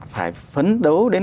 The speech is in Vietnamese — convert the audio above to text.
phải phấn đấu đến